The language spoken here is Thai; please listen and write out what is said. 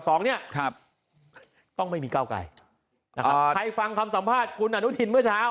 แล้วตอนนี้ต้องไม่มีก้าวไกลใครฟังคำสัมภาษณ์คุณอนุทิฎมื้อเช้า